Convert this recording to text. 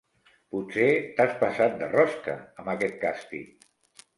Potser t'has passat de rosca amb aquest càstig.